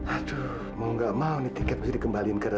aduh mau nggak mau nih tiket mesti dikembalikan ke retno